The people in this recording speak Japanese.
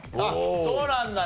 そうなんだね。